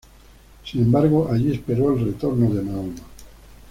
Sin embargo, Alí esperó al retorno de Mahoma.